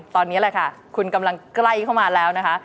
ตอนนี้แหละค่ะคุณกำลังใกล้เข้ามาแล้วนะคะ